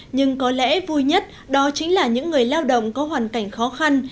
nhưng có lẽ vui nhất đó chính là những người lao động có hoàn cảnh khó khăn